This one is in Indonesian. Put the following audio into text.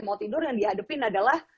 mau tidur yang dihadapin adalah